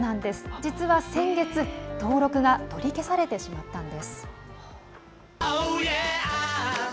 実は先月、登録が取り消されてしまったんです。